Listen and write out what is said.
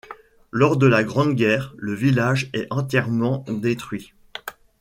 Lors de la Grande Guerre, le village est entièrement détruit.